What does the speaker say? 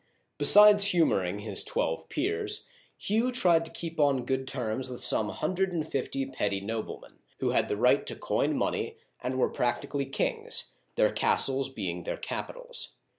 Besides humoring his twelve peers, Hugh tried to keep on good terms with some hundred and fifty petty noblemen, who had the right to coin money and were practically kings, their castles being their capitals.